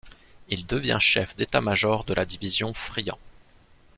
Il devient chef d'état-major de la division Friant.